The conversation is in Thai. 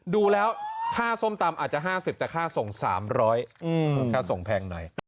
ดูแล้วค่าส้มตำอาจจะ๕๐แต่ค่าส่ง๓๐๐ค่าส่งแพงหน่อย